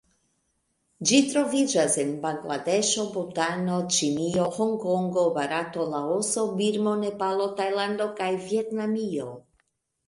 Ĝi troviĝas en Bangladeŝo, Butano, Ĉinio, Hongkongo, Barato, Laoso, Birmo, Nepalo, Tajlando kaj Vjetnamio.